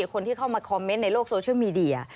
คนที่เข้ามาคอมเมนต์ในโลกโซเชียลมีเดีย